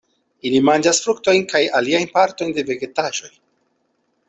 Ili manĝas fruktojn kaj aliajn partojn de vegetaĵoj.